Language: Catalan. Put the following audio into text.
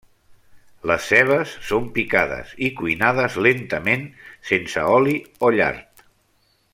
Les cebes són picades i cuinades lentament sense oli o llard.